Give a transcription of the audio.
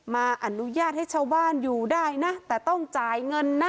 อนุญาตให้ชาวบ้านอยู่ได้นะแต่ต้องจ่ายเงินนะ